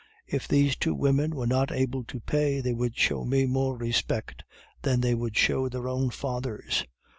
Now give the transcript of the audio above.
If these two women were not able to pay, they would show me more respect than they would show their own fathers.